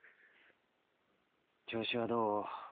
調子はどう？